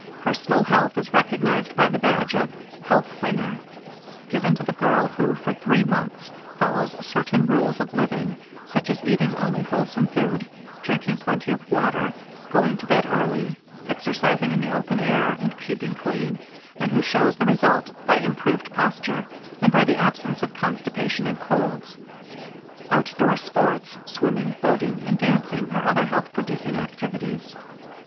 Personal health is recognized by the badge of "Health Winner," given to the girl who for three months follows certain rules of living, such as eating only wholesome food, drinking plenty of water, going to bed early, exercising in the open air, and keeping clean, and who shows the result by improved posture, and by the absence of constipation and colds. Outdoor sports, swimming, boating, and dancing are other health producing activities.